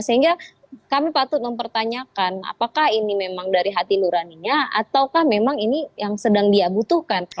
sehingga kami patut mempertanyakan apakah ini memang dari hati nuraninya ataukah memang ini yang sedang dia butuhkan